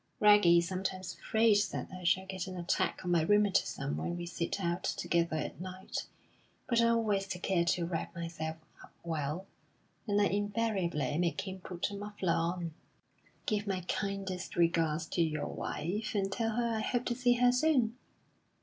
Reggie is sometimes afraid that I shall get an attack of my rheumatism when we sit out together at night; but I always take care to wrap myself up well, and I invariably make him put a muffler on. "Give my kindest regards to your wife, and tell her I hope to see her soon.